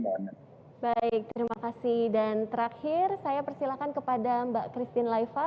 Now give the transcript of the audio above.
dan terakhir saya persilakan kepada mbak christine laiva